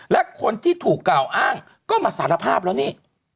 และคนที่ถูกกล่าวอ้างก็มาสารภาพแล้วนี่